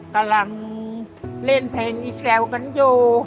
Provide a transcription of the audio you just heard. กำลังเล่นเพลงอีแซวกันอยู่